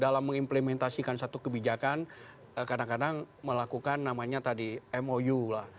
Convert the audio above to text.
dalam mengimplementasikan satu kebijakan kadang kadang melakukan namanya tadi mou lah